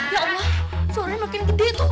ya allah suaranya makin gede tuh